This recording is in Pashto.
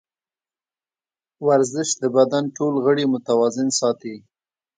ورزش د بدن ټول غړي متوازن ساتي.